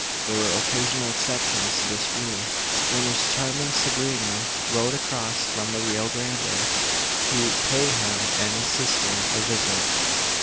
There were occasional exceptions to this rule: when his charming sobrina rode across from the Rio Grande to pay him and his sister a visit.